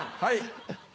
はい。